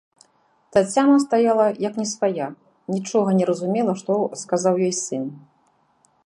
Таццяна стаяла як не свая, нічога не разумела, што сказаў ёй сын.